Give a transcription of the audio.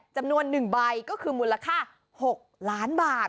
จำนวน๑ใบก็คือมูลค่า๖ล้านบาท